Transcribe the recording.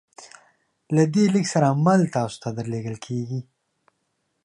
له دې لیک سره مل تاسو ته درلیږل کیږي